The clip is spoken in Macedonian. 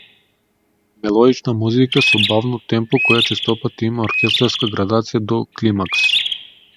Мелодична музика со бавно темпо, која честопати има оркестарска градација до климакс.